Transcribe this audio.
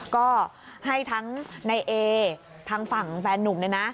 ก็ให้ทั้งในเอทางฝั่งแฟนนุ่มเนี่ยนะ